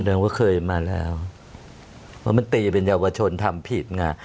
เราก็เคยมาแล้วเพราะมันตีเป็นเยาวชนทำผิดไง